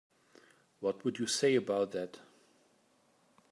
What would you say about that?